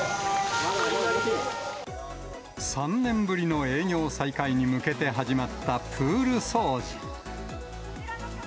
３年ぶりの営業再開に向けて始まったプール掃除。